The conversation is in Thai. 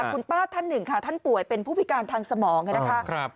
คุณป้าท่านหนึ่งค่ะท่านป่วยเป็นผู้พิการทางสมองนะคะ